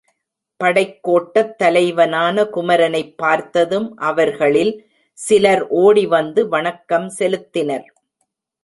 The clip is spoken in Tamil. படைக்கோட்டத் தலைவனான குமரனைப் பார்த்ததும் அவர்களில் சிலர் ஓடி வந்து வணக்கம் செலுத்தினர்.